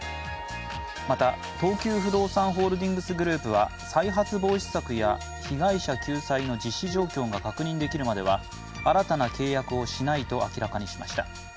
また、東急不動産ホールディングスグループは再発防止策や被害者救済の実施状況が確認できるまでは新たな契約をしないと明らかにしました。